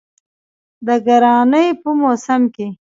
د ګرانۍ په موسم کې